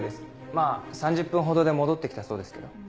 まあ３０分ほどで戻ってきたそうですけど。